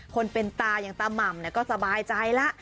คนเป็นตาอย่างตาม่ำก็สบายใจแล้ว